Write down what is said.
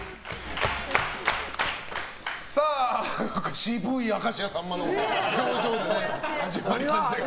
渋い明石家さんまの表情で始まりましたけどね。